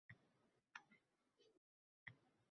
U bilan dadam ham xushlamaygina koʻrishdi.